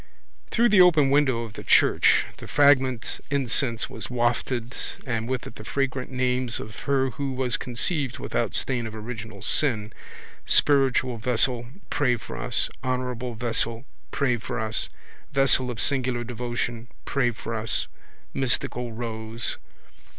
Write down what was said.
Through the open window of the church the fragrant incense was wafted and with it the fragrant names of her who was conceived without stain of original sin, spiritual vessel, pray for us, honourable vessel, pray for us, vessel of singular devotion, pray for us, mystical rose.